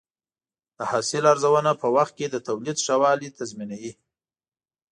د حاصل ارزونه په وخت کې د تولید ښه والی تضمینوي.